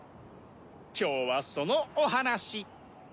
今日はそのお話。